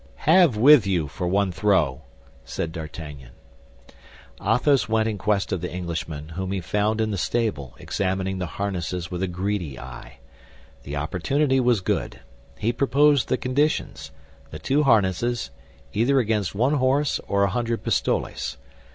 "Have with you for one throw!" said D'Artagnan. Athos went in quest of the Englishman, whom he found in the stable, examining the harnesses with a greedy eye. The opportunity was good. He proposed the conditions—the two harnesses, either against one horse or a hundred pistoles.